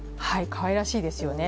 かわいらしいですよね。